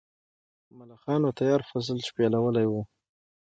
ملخانو تیار فصل شپېلولی و.